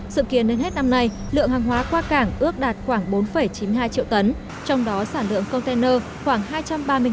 sự kiến đến hết năm nay lượng hàng hóa qua cảng ước đạt khoảng bốn chín mươi hai triệu tấn trong đó sản lượng container khoảng hai trăm ba mươi tấn